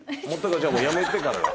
じゃあもう辞めてからだ。